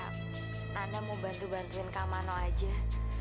nanda mau bantu bantuin kak mano aja